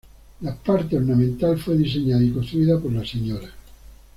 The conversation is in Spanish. La parte ornamental fue diseñada y construida por la Sra.